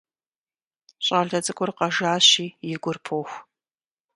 ЩӀалэ цӀыкӀур къэжащи, и гур поху.